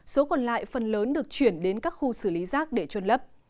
số còn lại phần lớn được chuyển đến các khu xử lý rác để trôn lấp